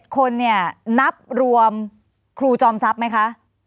คนเนี่ยนับรวมครูจอมทรัพย์ไหมคะ